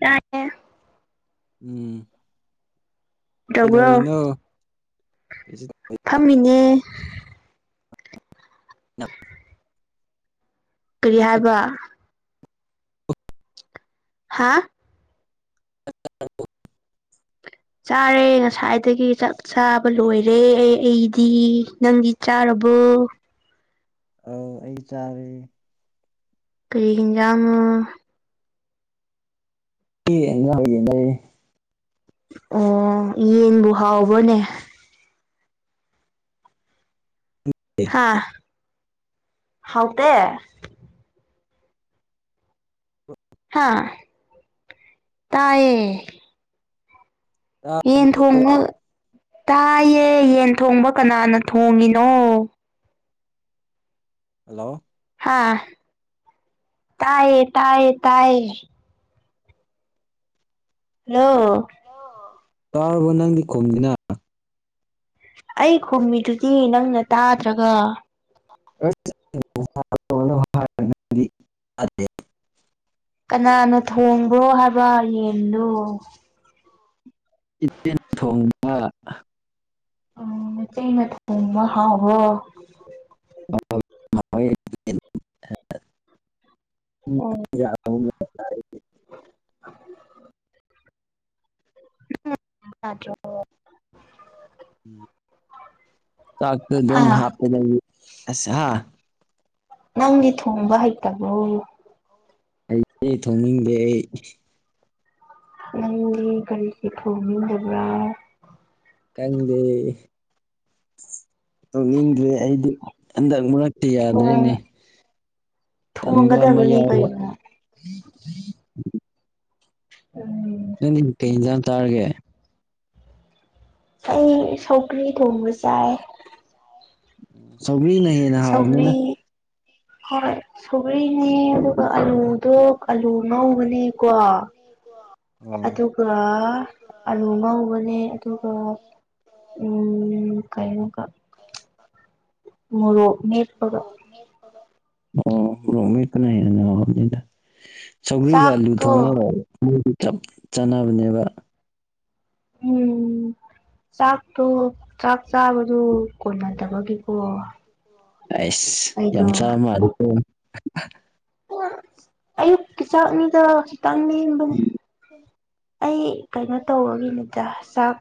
ꯀ [unintelligible] [inaudible] ꯎꯝ ꯀꯩꯗꯧꯕ꯭ꯔꯣ ꯀꯩꯗꯧꯔꯤꯅꯣ ꯐꯝꯃꯤꯅꯦ ꯑ [unintelligible] [inaudible] ꯀꯔꯤ ꯍꯥꯏꯕ ꯍꯥꯥ [unintelligible] [inaudible] ꯆꯥꯔꯦ ꯉꯁꯥꯏꯗꯒꯤ ꯆꯥꯛ ꯆꯥꯕ ꯂꯣꯏꯔꯦ ꯑꯦ ꯑꯩꯗꯤ ꯅꯪꯗꯤ ꯆꯥꯔꯕ ꯣ [unintelligible] [inaudible] ꯑꯥꯎ ꯑꯩ ꯆꯥꯔꯦ ꯀꯔꯤꯒꯖꯉ ꯌꯦꯅꯦ ꯑꯣ ꯌꯦꯟꯕꯨ ꯍꯥꯎꯕꯅꯦ ꯍꯥꯥ ꯍꯥꯎꯗ ꯍꯥꯥ ꯇꯌꯦ ꯌꯦꯟ ꯊꯣꯡꯉ ꯇꯥꯏꯌꯦ ꯌꯦꯟ ꯊꯣꯡꯕ ꯀꯅꯥꯅ ꯊꯣꯡꯉꯤꯅꯣ ꯍꯜꯂꯣ ꯇꯌꯦ ꯇꯌꯦ ꯇꯌꯦ ꯍꯂ ꯇꯥꯔꯕꯣ ꯅꯪꯗꯤ ꯈꯨꯝꯅꯤꯅ ꯑꯩ ꯈꯨꯝꯃꯤꯗꯨꯗꯤ ꯅꯪꯅ ꯇꯥꯗ꯭ꯔꯒ [inaudible] ꯀꯅꯥꯅꯣ ꯊꯣꯡꯕ꯭ꯔꯣ ꯍꯥꯏꯕ ꯌꯦꯟꯗꯨꯣ ꯏꯆꯦꯟ ꯊꯣꯡꯕ ꯎꯝ ꯃꯆꯇꯩ ꯅꯃ ꯍꯕꯣ [inaudible] ꯍ [inaudible] ꯎꯝ ꯁꯥ ꯆꯥꯛ ꯑꯗꯨꯝ ꯍꯥ ꯍꯥꯞꯄ ꯂꯩ ꯑꯁ ꯍꯥ ꯅꯪꯗꯤ ꯊꯣꯡꯕ ꯍꯩꯇꯕꯣ ꯑꯩꯗꯤ ꯊꯣꯡꯅꯤꯡꯗꯦ ꯑꯩ ꯑꯩ ꯀꯔꯤꯁꯤ ꯊꯕ ꯀꯪꯗꯦ ꯔꯤ ꯑꯩꯗꯤꯗ ꯃ ꯤ ꯌꯥꯗꯣꯏꯅꯦ ꯊꯣꯡ ꯇꯟꯕ ꯑꯃ ꯌꯥꯎꯕ ꯍ [inaudible] ꯅꯪꯗꯤ ꯀꯩ ꯏꯟꯖꯥꯡ ꯇꯥꯔꯒꯦ ꯑꯩ ꯁꯧꯀ꯭ꯔꯤ ꯊꯣꯡꯕ ꯆꯥꯏ ꯁꯧꯒ꯭ꯔꯤꯅ ꯍꯦꯟꯅ ꯍꯥꯎꯕꯅꯤꯅ ꯁꯧꯒ꯭ꯔꯤ ꯍꯣꯏ ꯁꯕꯩꯅꯦ ꯑꯗꯨꯒ ꯑꯂꯨꯗꯣ ꯑꯂꯨ ꯉꯧꯕꯅꯦꯀꯣ ꯑꯣ ꯑꯗꯨꯒ ꯑꯂꯨ ꯉꯧꯕꯅꯦ ꯑꯗꯨꯒ ꯎꯝ ꯀꯩꯉꯒ ꯃꯔꯣ ꯑꯣ ꯔꯣ ꯀꯅꯥꯅꯅꯤꯗ ꯁꯧꯒ꯭ꯔꯤꯒ ꯂꯨ ꯆꯥꯛꯇꯣ ꯊꯣꯡꯉꯔ ꯃꯣꯏꯗꯨ ꯆꯞ ꯆꯥꯟꯅꯕꯅꯦꯕ ꯎꯝ ꯆꯥꯛꯇꯣ ꯆꯥꯛ ꯆꯥꯕꯗꯨ ꯀꯣꯟꯅꯗꯕꯒꯤꯀꯣ ꯑꯁ ꯌꯥꯝ ꯑꯩꯗꯣ ꯆꯥꯃ ꯄꯨꯛ ꯑꯗꯨꯗ ꯑꯌꯨꯛꯀꯤ ꯆꯥꯛ ꯑꯅꯤꯗ ꯈꯤꯇꯪꯅꯤꯕꯅꯦ ꯑꯩ ꯀꯩꯅꯣ ꯇꯧꯕꯒꯤꯅꯤꯗ ꯆꯥꯛ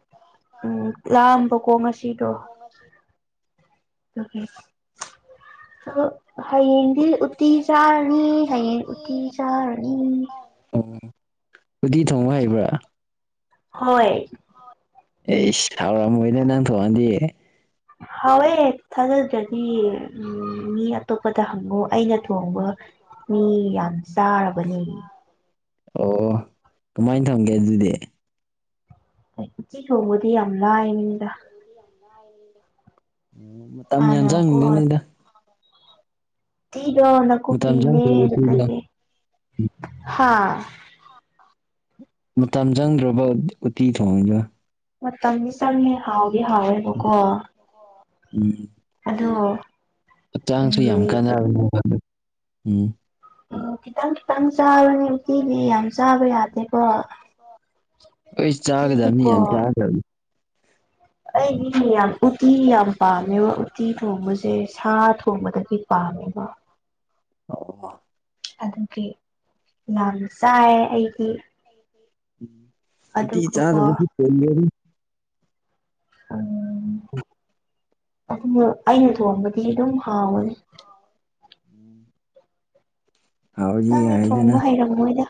ꯎꯝ ꯂꯥꯑꯝꯕꯀꯣ ꯉꯁꯤꯗꯣ ꯑ ꯍꯌꯦꯡꯗꯤ ꯎꯇꯤ ꯆꯥꯔꯅꯤ ꯍꯌꯦꯡ ꯎꯠꯇꯤ ꯆꯥꯔꯅꯤ ꯎꯗꯤ ꯊꯣꯡꯕ ꯍꯩꯕ꯭ꯔꯥ ꯍꯣꯏ ꯑꯩ ꯁꯥꯎꯔꯥ ꯃꯣꯏꯅꯥ ꯅꯪ ꯊꯉꯗꯤꯌꯦ ꯍꯥꯎꯋꯦ ꯊꯥꯖꯗ꯭ꯔꯗꯤ ꯃꯤ ꯑꯇꯣꯞꯄꯗ ꯍꯪꯉꯨ ꯑꯩꯅ ꯊꯣꯡꯕ ꯃꯤ ꯌꯥꯝ ꯆꯥꯔꯕꯅꯤ ꯑꯣ ꯀꯃꯥꯏꯅ ꯊꯝꯒꯦ ꯑꯗꯨꯗꯤ ꯁꯨꯗꯤ ꯍꯝꯂꯑꯗ ꯃꯇꯝ ꯌꯥꯝꯟ ꯍꯥꯟꯅꯀꯣ ꯆꯪꯗꯦꯅꯤꯗ ꯗ ꯅꯈ ꯃꯇꯝ ꯆꯪꯗ꯭ꯔꯣ ꯄꯤꯅꯦꯦ ꯎꯇꯤꯗꯣ ꯍꯥꯥ ꯃꯇꯝ ꯆꯪꯗ꯭ꯔꯕ ꯎꯠꯇꯤ ꯊꯣꯡꯗ ꯃꯇꯝ ꯃꯤ ꯆꯅꯦ ꯍꯥꯎꯦ ꯍꯥꯎꯦꯕ ꯀꯣ ꯎꯝ ꯑꯗꯨ ꯆꯥꯡꯁꯨ ꯌꯥꯝ ꯀꯥꯟꯅꯔ ꯎꯝ ꯑꯣ ꯈꯤꯇꯪ ꯈꯤꯇꯪ ꯆꯥꯕꯅꯦ ꯎꯀꯤꯤꯅꯦ ꯌꯥꯝ ꯆꯥꯕ ꯌꯥꯗꯦꯀꯣ ꯑꯩ ꯆꯥꯒꯗꯅꯤ ꯎꯇꯤꯗꯤꯀꯣ ꯌꯥꯝ ꯆꯥꯗ ꯑꯩ ꯌꯥꯝ ꯎꯇꯤ ꯌꯥꯝ ꯄꯥꯝꯃꯦꯕ ꯎꯇꯤ ꯊꯣꯡꯕꯁꯦ ꯁꯥ ꯊꯣꯡꯕꯗꯒꯤ ꯄꯥꯝꯃꯦꯕ ꯑꯃ ꯑꯗꯨꯒꯤ ꯌꯥꯝ ꯆꯥꯏ ꯑꯩꯗꯤ ꯇꯤ ꯑꯗꯨꯒꯀꯣ ꯆꯥꯗꯔꯤꯅꯤ ꯎꯝ ꯑꯗꯨ ꯑꯩꯅ ꯊꯣꯡꯕꯗꯤ ꯑꯗꯨꯝ ꯍꯥꯎꯋꯦ ꯍꯥꯎꯔꯗꯤ ꯅꯪ ꯑꯩ ꯌꯥꯔꯦꯗꯅ ꯊꯣꯡꯕ ꯍꯩꯔꯝꯃꯣꯏꯗ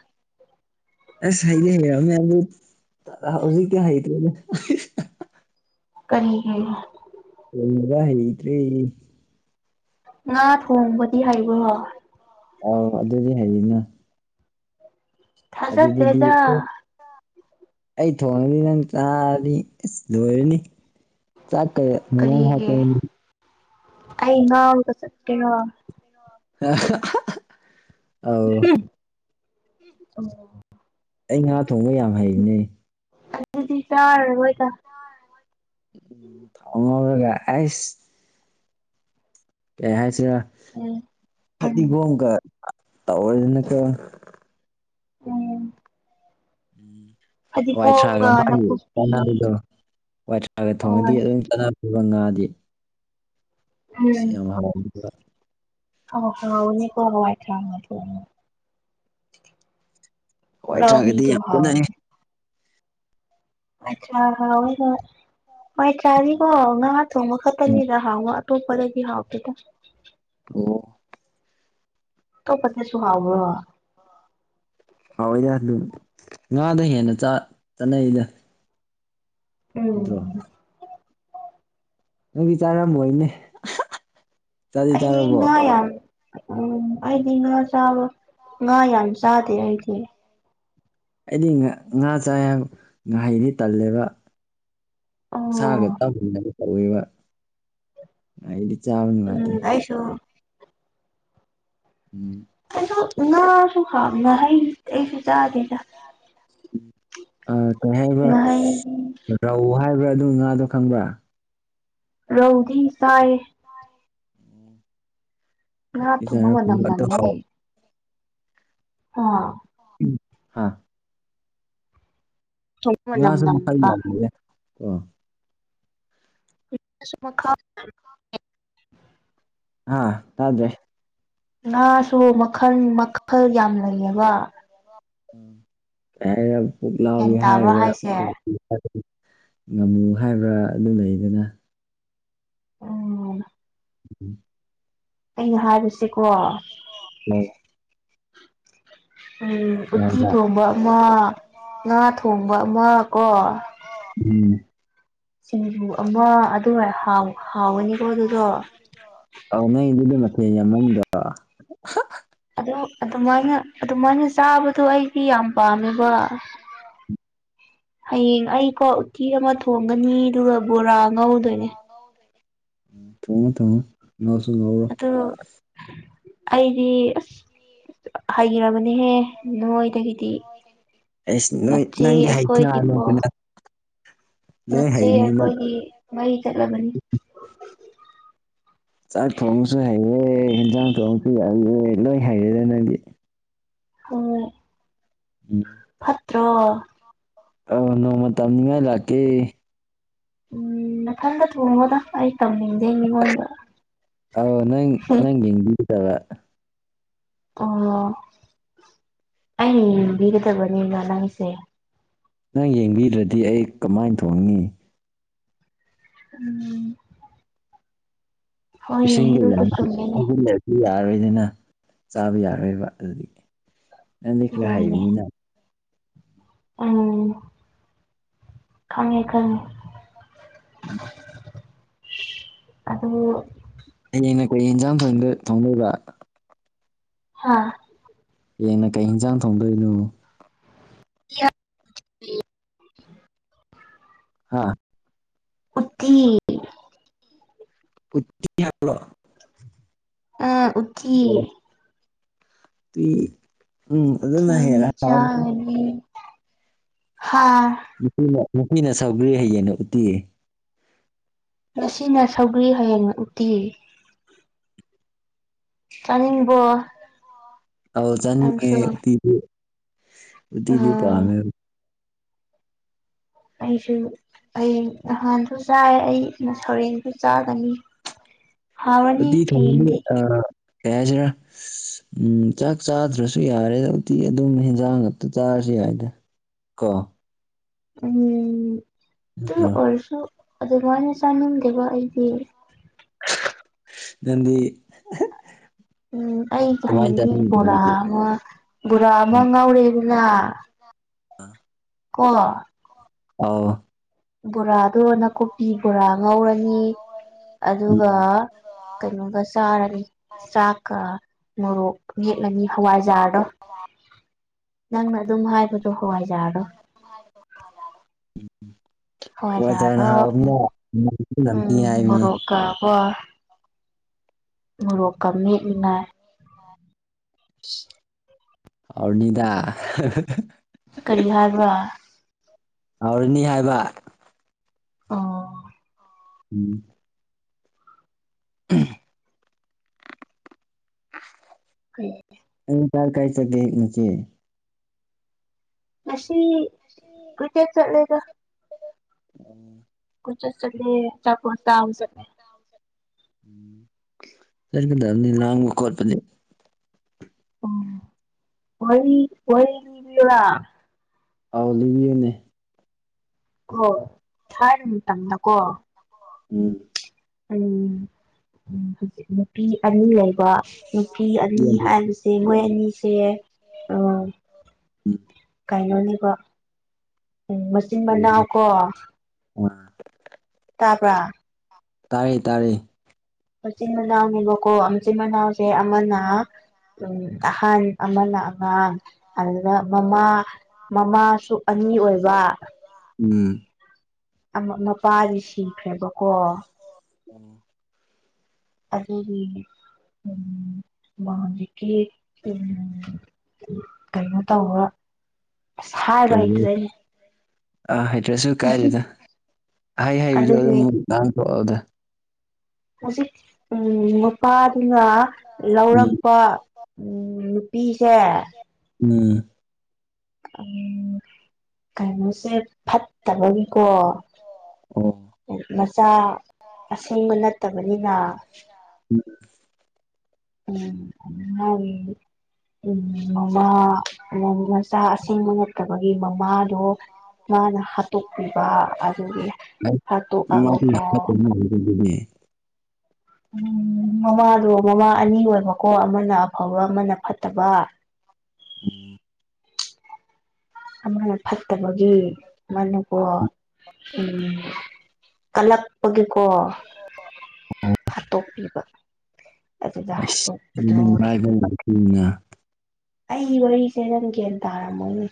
ꯑꯁ ꯍꯩꯗꯤ ꯍꯩꯔꯑꯃꯦ ꯑꯗꯨ ꯍꯧꯖꯤꯛ ꯀꯌꯥ ꯍꯩꯇ꯭ꯔꯦꯅꯦ ꯀꯔꯤ ꯍꯗ ꯍꯩꯇ꯭ꯔꯤ ꯉꯥ ꯊꯣꯡꯕꯗꯤ ꯍꯩꯕ꯭ꯔꯣ ꯑꯣ ꯑꯗꯨꯗꯤ ꯍꯌꯦꯅ ꯑꯗꯨꯗꯗꯤ ꯊꯥꯖꯗꯦꯗ ꯑꯩ ꯊꯣꯡꯉꯅꯤ ꯅꯪ ꯆꯥꯔꯅꯤ ꯑꯁ ꯂꯣꯏꯔꯅꯤ ꯆꯥꯛꯀꯩ ꯃ ꯍꯥ ꯀꯔꯤꯒꯤ ꯑꯩ ꯉꯒ ꯆꯣ ꯑ ꯑꯥꯎ ꯑꯣ ꯑꯩ ꯉꯥ ꯊꯣꯡꯕ ꯌꯥꯝ ꯍꯩꯔꯤꯅꯦ ꯑꯗꯨꯗꯤ ꯆꯔ ꯑꯣꯏꯣꯏꯗ ꯎ ꯊꯥꯎꯉꯒ ꯑꯁ ꯀꯩ ꯍꯥꯏꯁꯤꯔ ꯎꯝ ꯎꯝ ꯐꯗꯤꯒꯣꯝꯒ ꯇꯧ ꯑꯗꯨꯅ ꯀ ꯎꯝ ꯎꯝ ꯋꯥꯏꯊ꯭ꯔꯥꯒ ꯐꯗꯤꯒꯣꯝꯒ ꯃꯥꯒꯤ ꯅꯥꯀꯨꯞꯄꯤ ꯆꯕꯤꯗꯣ ꯋꯥꯏꯊ꯭ꯔꯥꯒ ꯊꯣꯡꯉꯗꯤ ꯍꯣꯏ ꯑꯗꯨꯝ ꯕ ꯉꯥꯗꯤ ꯁꯤ ꯌꯥꯝ ꯑ ꯍ ꯎꯅꯤꯀꯣ ꯍꯋꯥ ꯊ꯭ꯔ ꯍꯏꯇꯥꯔꯒꯗꯤ ꯄꯨꯛꯂꯥꯎꯕꯤꯗꯣ ꯌꯥꯝ ꯀꯅꯩ ꯍꯥꯎ ꯃꯣꯏ ꯆꯥꯔꯤꯀꯣ ꯉꯍꯥ ꯊꯣꯡꯕ ꯈꯛꯇꯅꯤꯗ ꯍꯥꯎꯉ ꯇꯣ ꯄꯦꯒꯤ ꯍꯥꯥꯎ ꯄꯦꯗ ꯑꯣ ꯇ ꯄ ꯁꯨ ꯑꯑꯣ ꯍꯥꯎꯏꯅꯦ ꯑꯗꯨꯝ ꯉꯥꯗ ꯍꯦꯟꯅ ꯆꯠꯅꯩꯗ ꯎꯝ ꯑꯗꯨꯒꯤ ꯆꯥꯔꯝꯕꯣꯏꯅꯦ ꯑꯩ ꯉ ꯌꯥꯝ ꯎꯝ ꯑꯩꯗꯤ ꯉꯥ ꯆꯥꯕ ꯉꯥ ꯌꯥꯝ ꯆꯥꯗꯦ ꯑꯩꯗꯤ ꯑꯩꯗꯤ ꯉꯥ ꯆ ꯉꯥꯍꯩꯗꯤ ꯇꯜꯂꯦꯕ ꯁꯥꯒ ꯑꯣ ꯇꯝꯅꯕ ꯇꯋꯦꯕ ꯍꯥꯏꯗꯤ ꯎꯝ ꯑꯁꯨꯣ ꯎꯝ ꯅꯁꯨ ꯍꯥꯥꯎ ꯍ ꯑꯩꯁꯨ ꯆꯥꯗꯦꯗ ꯑ ꯀ ꯍꯥꯏꯕ꯭ꯔ ꯉꯥꯍꯩ ꯔꯧꯍ ꯍꯥꯏꯕ꯭ꯔꯥ ꯑꯗꯨ ꯉꯥꯗꯣ ꯈꯪꯕ꯭ꯔꯥ ꯔꯧꯗꯤ ꯁꯥꯏ ꯑ ꯊꯨꯃ ꯃꯅꯥꯝ ꯑꯗꯨ ꯅꯪꯅꯦ ꯑ [unintelligible] [inaudible] ꯍꯥꯥ [unintelligible] [inaudible] ꯊꯣꯡꯕ ꯃꯅꯝ ꯏꯁ ꯃꯈꯜ ꯅꯝꯕ ꯑ [inaudible] ꯃ ꯈꯥ ꯑꯥ ꯇꯗ꯭ꯔꯦ ꯉꯥꯁꯨ ꯃꯈꯜ ꯃꯈꯜ ꯌꯥꯝ ꯂꯩꯌꯦꯕ ꯀꯔ ꯒ꯭ꯌꯥꯟ ꯄꯨꯛꯂꯥꯎꯒ ꯇꯥꯕ꯭ꯔꯥ ꯍꯥꯏꯕ꯭ꯔꯥ ꯍꯥꯏꯁꯦ ꯉꯝꯃꯨ ꯍꯥꯏꯕ꯭ꯔꯥ ꯑꯗꯨ ꯂꯩꯗꯅ ꯎꯝ ꯎꯝ ꯑꯩꯅ ꯍꯥꯏꯔꯁꯤꯀꯣ ꯎ ꯎꯠꯇꯤ ꯊꯣꯡꯕ ꯑꯃ ꯉꯥ ꯊꯣꯡꯕ ꯑꯃꯀꯣ ꯎꯝ ꯁꯤꯡꯕꯨꯨ ꯑꯃ ꯑꯗꯨ ꯍꯥꯎꯒꯅꯤꯀꯣ ꯑꯗꯨꯗꯣ ꯌꯥꯝ ꯃꯅꯨꯡꯗ ꯑꯗꯨ ꯑꯗꯨꯃꯥꯏꯅ ꯑꯗꯨꯃꯥꯏꯅ ꯆꯥꯕꯗꯣ ꯑꯩꯗꯤ ꯌꯥꯝ ꯄꯥꯝꯃꯦꯕ ꯍꯌꯦꯡ ꯑꯩꯀꯣ ꯎꯇꯤ ꯑꯃ ꯊꯣꯡꯒꯅꯤ ꯑꯗꯨꯒ ꯕꯣꯔꯥ ꯉꯧꯗꯣꯏꯅꯦ ꯊꯣꯡꯉ ꯊꯃ ꯅꯁꯨ ꯉꯥꯎꯔꯣ ꯑꯗꯨ ꯑꯩꯗꯤ ꯑꯁ ꯍꯥꯏꯈꯤꯔꯕꯅꯤꯍꯦ ꯅꯣꯏꯗꯒꯤ ꯗꯤ ꯑꯩꯁ ꯅꯣꯏ ꯉꯆꯦ ꯅꯪꯗꯤ ꯍꯩꯕꯅ ꯑꯩꯈꯣꯏꯗꯤꯀꯣ ꯍꯥꯏꯕꯅꯤꯗꯅ ꯂꯣꯏ ꯅꯠꯇꯦ ꯍꯩꯕꯅꯤꯅ ꯑꯩꯈꯣꯏꯒꯤ ꯃꯍꯩ ꯆꯠꯂꯕꯅꯤ ꯆꯥꯛ ꯊꯣꯡꯕꯁꯨ ꯍꯩꯔꯦ ꯌꯦꯟꯁꯥꯡ ꯊꯣꯡꯕꯁꯨ ꯍꯩꯔꯦ ꯂꯣꯏ ꯍꯩꯔꯦꯗ ꯅꯪꯗꯤ ꯍ [inaudible] ꯎꯝ ꯇ꯭ꯔ ꯑ ꯅꯣꯡꯃ ꯃꯇꯝ ꯅꯤꯡꯉꯥꯏ ꯂꯥꯛꯀꯦ ꯎꯝ ꯊꯗ ꯊꯉꯣꯗ ꯑꯩ ꯇꯝꯅꯤꯡꯗꯦ ꯃꯤꯉꯣꯟꯗ ꯑꯥꯎ ꯅꯪ ꯅꯪ ꯌꯦꯡꯕꯤꯒꯗꯕ ꯑꯣ ꯑꯩꯕꯤꯔꯗꯕꯅꯤ ꯂꯅꯤꯁꯦ ꯅꯪ ꯌꯦꯡꯕꯤꯗ꯭ꯔꯗꯤ ꯑꯩ ꯀꯃꯥꯏꯅ ꯊꯣꯡꯏꯤ ꯎꯝ ꯍꯣꯏꯅꯦ ꯁꯤꯒ ꯑꯗꯨꯁꯨ ꯌꯥꯂ ꯆꯨꯝꯃꯤꯅꯦ ꯌꯥꯔꯣꯏꯗꯅ ꯆꯥꯕ ꯌꯥꯔꯣꯏꯕ ꯑꯗꯨꯗꯤ ꯅꯪꯗꯤ ꯈꯔ ꯂꯣꯏꯅꯦ ꯍꯥꯏꯩꯕꯅꯤꯅ ꯎꯝ ꯈꯪꯉꯦ ꯈꯪꯉꯦ ꯑꯗꯨꯗꯣ ꯑꯩꯅ ꯀ ꯌꯦꯟꯖꯥꯡ ꯊꯣꯏꯗ ꯊꯣꯡꯉꯣꯏꯕ ꯍꯥꯥ ꯍꯡꯅ ꯀꯩ ꯍꯟꯖꯥꯡ ꯊꯣꯡꯗꯣꯏꯅꯣ [unintelligible] [inaudible] ꯍꯥꯥ ꯎꯇꯤ ꯄꯨꯤꯂꯣ [unintelligible] [inaudible] ꯑ ꯎ ꯎꯆꯤ ꯎꯝ ꯑꯗꯨꯅ ꯍꯦꯔ ꯍꯥꯥ ꯅꯨꯄꯤꯅ ꯅꯨꯄꯤꯅ ꯁꯧꯒ꯭ꯔꯤꯦ ꯍꯌꯦꯡꯅ ꯎꯇꯤ ꯃꯁꯤꯅ ꯁꯧꯒ꯭ꯔꯤ ꯍꯌꯦꯡ ꯎꯇꯤ ꯆꯅꯤꯡꯕꯣ ꯑꯧ ꯆꯥꯅꯤꯡꯉꯦꯗꯤ ꯑ ꯗꯤꯗꯤ ꯄꯥꯃꯦ ꯑꯩꯁꯨ ꯑꯩ ꯅꯍꯥꯟꯁꯨ ꯆꯥꯏ ꯑꯩ ꯁꯧꯔꯦꯡꯁꯨ ꯆꯥꯒꯅꯤ ꯍꯥꯎꯔꯅꯤ ꯇꯤ ꯊ ꯍꯌꯦꯡꯗꯤ ꯑ ꯀꯩ ꯍꯥꯏꯁꯤꯔꯥ ꯎꯝ ꯆꯥꯛ ꯆꯥꯗ꯭ꯔꯁꯨ ꯌꯥꯔꯦ ꯍꯧ ꯍꯧꯇꯤ ꯑꯗꯨꯝ ꯍꯦꯟꯖꯥꯡ ꯉꯥꯛꯇ ꯆꯥꯔ ꯌꯥꯏꯗ ꯀꯣ ꯎꯝ ꯅꯠꯇ꯭ꯔꯣ ꯑꯣꯔꯁꯨ ꯑꯗꯨ ꯃꯥꯥꯏꯅ ꯆꯥꯅꯤꯡꯗꯦꯕ ꯑꯩꯗꯤ ꯅꯗꯤ ꯎꯝ ꯑꯩꯁ ꯍꯅꯤꯡꯒꯦ ꯕꯣꯔꯥ ꯑꯗꯨꯗꯤ ꯑꯃ ꯕꯣꯔꯥ ꯑꯃ ꯉꯥꯎꯔꯦ ꯑ ꯑ ꯀ ꯑꯥꯎ ꯕꯣꯔꯥꯗꯣ ꯅꯥꯀꯨꯞꯄꯤ ꯕꯣꯔꯥ ꯉꯧꯔꯅꯤ ꯑꯗꯨꯒ ꯎꯝ ꯀꯩꯅꯣꯒ ꯆꯥꯔꯅꯤ ꯆꯥꯛꯀ ꯃꯣꯔꯣꯛ ꯅꯦꯛꯂꯅꯤ ꯍꯋꯥꯏꯖꯥꯔꯗꯣ ꯅꯪꯅ ꯑꯗꯨꯝ ꯍꯥꯏꯕꯗꯣ ꯀꯋꯥꯥꯏꯖꯗꯣ ꯀ ꯎꯝ ꯇꯅꯅꯅꯦ ꯃꯣꯔꯣꯛꯀ ꯃꯣꯔꯣꯛꯀ ꯃꯠꯃꯤꯅꯥꯥꯏ ꯑꯔꯅꯤꯗꯥ ꯀꯔꯤ ꯍꯥꯏꯔꯕ ꯍꯧꯔꯅꯤ ꯍꯥꯏꯕ ꯑ ꯎꯝ ꯎꯝ ꯎꯝ ꯀꯦ ꯀꯔ ꯀꯥꯏ ꯆꯒꯦ ꯉꯆꯦ ꯉꯁꯤ ꯀꯆꯦꯠ ꯆꯠꯂ ꯀ ꯎꯝ ꯄꯨꯁ ꯆ ꯆꯄ ꯆꯂ ꯁꯔ ꯇꯅꯤ ꯂꯉ ꯀꯔꯄ ꯂꯩ ꯑꯣ ꯋꯥ ꯋꯥ ꯑꯥꯎꯂꯤꯕꯤꯅꯦ ꯑꯣ ꯊ ꯃꯇꯝꯗꯀꯣ ꯎꯝ ꯎ ꯍꯧꯖꯤꯛ ꯅꯨꯄꯤ ꯑꯅꯤ ꯂꯩꯕ ꯅꯨꯄꯤ ꯑꯅꯤ ꯎꯝ ꯍꯥꯏꯔꯤꯁꯦ ꯃꯣꯏ ꯑꯅꯤꯁꯦ ꯎꯝ ꯀꯥꯏꯅꯣꯅꯦꯕ ꯎꯝ ꯃꯆꯤꯟ ꯃꯅꯥꯎ ꯀꯣ ꯑ ꯇꯥꯄꯥ ꯇꯥꯔꯦ ꯇꯥꯔꯦ ꯃꯆꯤꯟ ꯃꯅꯥꯎꯅꯦꯕꯀꯣ ꯃꯆꯤꯟ ꯃꯅꯥꯎꯁꯦ ꯑꯃꯅ ꯎꯝ ꯑꯍꯟ ꯑꯃꯅ ꯑꯉꯥꯡ ꯑꯗꯨꯗ ꯃꯃꯥ ꯃꯃꯥꯁꯨ ꯑꯅꯤ ꯑꯣꯏꯕ ꯑꯣꯏ ꯎꯝ ꯃꯄꯥꯗꯤ ꯁꯤꯈ꯭ꯔꯦꯕꯀꯣ ꯎꯝ ꯑꯗꯨꯗꯦ ꯎꯝ ꯃꯥ ꯍꯧꯖꯤꯛꯀꯤ ꯎ ꯀꯩꯅꯣ ꯇꯧꯔ ꯁꯔ ꯔꯍꯤꯇꯔꯅꯤ ꯑꯥ ꯍꯩꯇ꯭ꯔꯦꯁꯁꯨ ꯀꯥꯏꯗꯦꯗ ꯑꯩ ꯍꯩꯕꯗꯣ ꯑꯗꯨꯝ ꯑꯗꯨꯅꯦ ꯑꯃꯨꯛ ꯅꯍꯥꯟꯊꯣꯛꯛꯑꯣꯗ ꯍꯧꯖꯤꯛ ꯎ ꯃꯄꯥꯗꯨꯅ ꯎꯝ ꯂꯧꯔꯛꯄ ꯎꯝ ꯅꯨꯄꯤꯁꯦ ꯎ ꯎꯝ ꯀꯩꯅꯣꯁꯦ ꯐꯠꯇꯕꯒꯤꯀꯣ ꯑꯣ ꯃꯆꯥ ꯑꯁꯦꯡꯕ ꯅꯠꯇꯕꯅꯤꯅ ꯎꯝ ꯑ ꯑꯣꯏ ꯎꯝ ꯃꯃꯥ ꯃꯆꯥ ꯑꯁꯦꯡꯕ ꯅꯠꯇꯕꯒꯤ ꯃꯃꯥꯗꯣ ꯃꯥꯅ ꯍꯥꯠꯇꯣꯛꯄꯤꯕ ꯑꯗꯨꯒꯤ ꯑꯩ ꯃꯃꯥꯗꯤ ꯍꯥꯠꯇꯣꯛꯑꯒꯀꯣ ꯌꯥꯝ ꯐꯠꯇꯕ ꯃꯥꯜꯂꯤꯀꯣ ꯑꯗꯨꯗꯤ ꯎꯝ ꯃꯃꯥꯗꯣ ꯃꯃꯥ ꯑꯅꯤ ꯑꯣꯏꯕꯀꯣ ꯑꯃꯅ ꯑꯐꯕ ꯑꯃꯅ ꯐꯠꯇꯕ [unintelligible] ꯎꯝ ꯑꯃꯅ ꯐꯠꯇꯕꯒꯤ ꯃꯅꯀꯣ ꯎꯝ ꯀꯜꯂꯛꯄꯒꯤꯀꯣ ꯍꯥꯠꯇꯣꯛꯄꯤꯕ ꯑꯗꯨꯗ ꯑ ꯍꯥꯠꯇꯣꯛꯄꯗꯣ ꯉꯉꯥꯏꯕ ꯂꯥꯛ ꯑꯩꯒꯤ ꯋꯥꯔꯤꯁꯦ ꯅꯪ ꯦꯟ ꯇꯥꯔꯝꯃꯣꯅꯦ